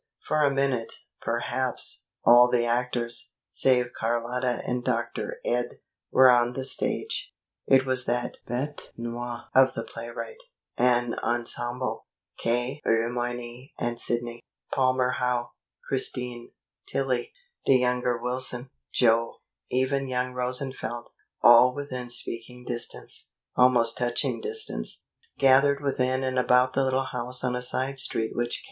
For a minute, perhaps, all the actors, save Carlotta and Dr. Ed, were on the stage. It was that bete noir of the playwright, an ensemble; K. Le Moyne and Sidney, Palmer Howe, Christine, Tillie, the younger Wilson, Joe, even young Rosenfeld, all within speaking distance, almost touching distance, gathered within and about the little house on a side street which K.